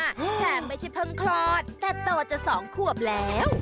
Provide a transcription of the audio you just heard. แทบไม่ใช่พังคลอดแต่โตจะ๒ขวบแล้ว